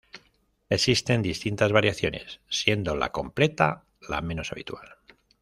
Existen distintas variaciones, siendo la completa la menos habitual.